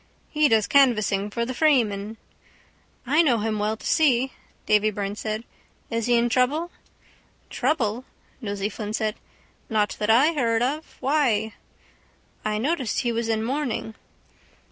He does canvassing for the Freeman. —I know him well to see, Davy Byrne said. Is he in trouble? —Trouble? Nosey Flynn said. Not that I heard of. Why? —I noticed he was in mourning.